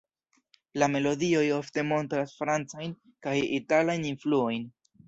La melodioj ofte montras Francajn kaj Italajn influojn.